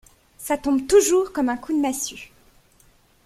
Ça tombe toujours comme un coup de massue!